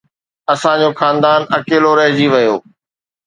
اسان جو خاندان اڪيلو رهجي ويو